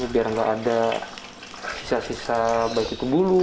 biar nggak ada sisa sisa baik itu bulu